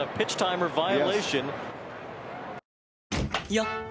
よっ！